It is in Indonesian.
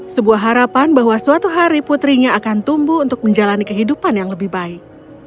sebuah harapan bahwa suatu hari putrinya akan tumbuh untuk menjalani kehidupan yang lebih baik